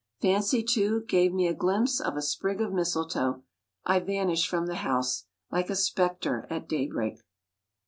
Fancy, too, gave me a glimpse of a sprig of mistletoe I vanished from the house, like a spectre at day break.